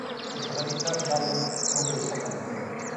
È stata vinta dall' contro il Southampton.